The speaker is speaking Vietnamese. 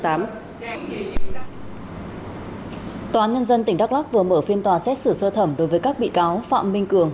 tòa án nhân dân tỉnh đắk lắc vừa mở phiên tòa xét xử sơ thẩm đối với các bị cáo phạm minh cường